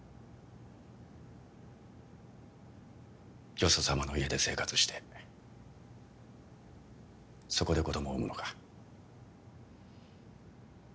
よそさまの家で生活してそこで子どもを産むのか？